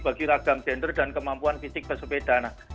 bagi ragam gender dan kemampuan fisik pesepeda